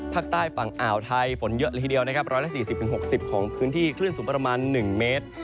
ภาคใต้ฝั่งอ่าวไทยฝนเยอะเลยทีเดียวนะครับ๑๔๐๖๐ของพื้นที่คลื่นสูงประมาณ๑เมตร